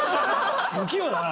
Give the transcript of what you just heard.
不器用だな！